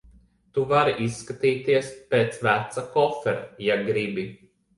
Tu vari izskatīties pēc veca kofera, ja gribi.